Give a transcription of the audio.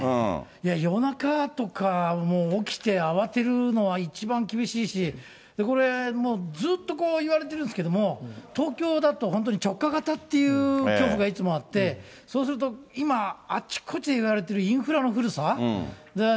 夜中とかもう、起きて、慌てるのは一番厳しいし、これ、ずっと言われてるんですけども、東京だと本当、直下型っていう恐怖がいつもあって、そうすると今、あちこちでいわれているインフラの古さ。